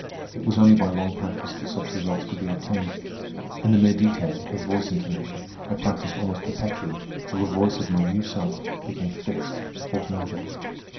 It was only by long practice that such results could be obtained. In the mere detail of voice intonation I practised almost perpetually till the voice of my new self became fixed, automatic.